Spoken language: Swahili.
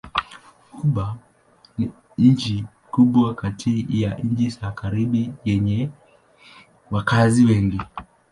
Kuba ni nchi kubwa kati ya nchi za Karibi yenye wakazi wengi.